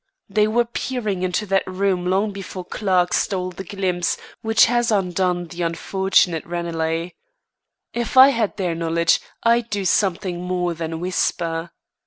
"They were peering into that room long before Clarke stole the glimpse which has undone the unfortunate Ranelagh. If I had their knowledge, I'd do something more than whisper."